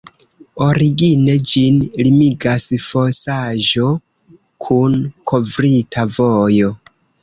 Origine ĝin limigas fosaĵo kun kovrita vojo.